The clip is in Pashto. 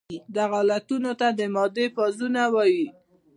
دغه حالتونو ته د مادې فازونه وايي.